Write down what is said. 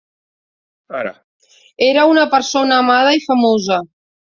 Era una persona amada i famosa.